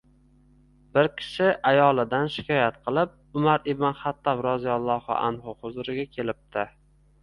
Bir kishi ayolidan shikoyat qilib Umar ibn Xattob roziyallohu anhu huzuriga kelibdi.